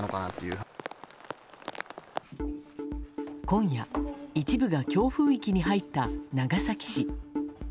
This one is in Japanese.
今夜、一部が強風域に入った長崎市。